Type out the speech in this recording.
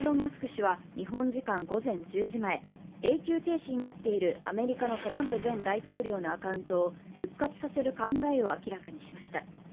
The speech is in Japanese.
氏は日本時間午前１０時前、永久停止になっているアメリカのトランプ前大統領のアカウントを復活させる考えを明らかにしました。